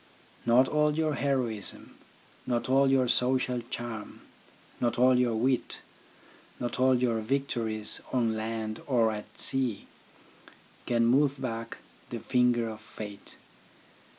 Not all your heroism, not all your social charm, not all your wit, not all your victories on land or at sea, can move back the finger of fate.